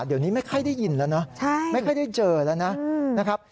เดี๋ยวนี้ไม่ค่อยได้ยินแล้วเนอะไม่ค่อยได้เจอแล้วนะครับ